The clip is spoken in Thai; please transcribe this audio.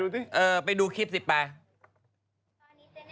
ขอบอกว่าโคฟพี่ที่นี่อร่อยมาก